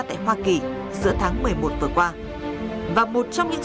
tại hoa kỳ giữa tháng một mươi một vừa qua và một trong những